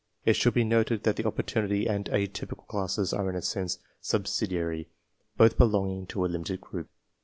It should be noted that the "opportunity" and "atypical" classes are in a sense subsidiary, both belonging in the limited group.